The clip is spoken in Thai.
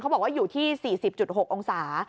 บอกว่าอยู่ที่๔๐๖องศา